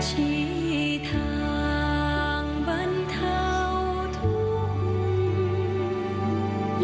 ชิทางบรรเทาทุกขุม